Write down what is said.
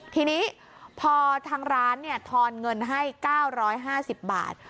ทีนี้พอทางร้านทอนเงินให้๙๕๐บาท